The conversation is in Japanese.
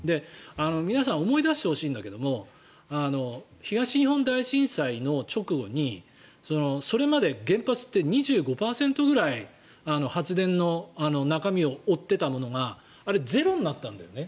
皆さん思い出してほしいんだけど東日本大震災の直後にそれまで原発って２５％ぐらい発電の中身を負っていたものがあれ、ゼロになったんだよね。